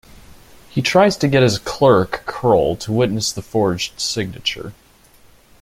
He tries to get his clerk, Croll, to witness the forged signature.